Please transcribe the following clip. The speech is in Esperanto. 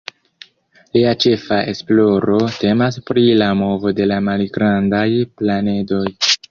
Lia ĉefa esploro temas pri la movo de la malgrandaj planedoj.